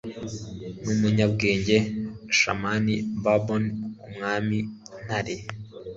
Numunyabwenge shaman baboon Umwami Ntare